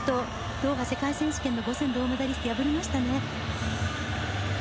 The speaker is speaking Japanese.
ドーハ世界選手権の５０００銅メダリストを破りましたね。